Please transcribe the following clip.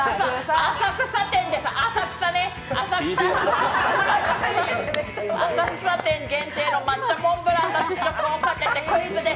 浅草店限定の抹茶モンブランの試食をかけてクイズです。